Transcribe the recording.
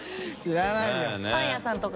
パン屋さんとか？